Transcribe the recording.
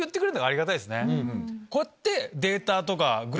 こうやって。